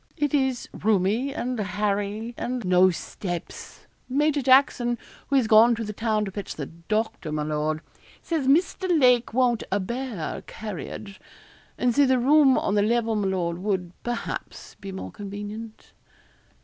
It is roomy and hairy, and no steps. Major Jackson, who is gone to the town to fetch the doctor, my lord, says Mr. Lake won't a bear carriage; and so the room on the level, my lord, would, perhaps, be more convenient.'